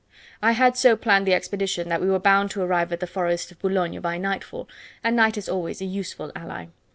I had so planned the expedition that we were bound to arrive at the forest of Boulogne by nightfall, and night is always a useful ally.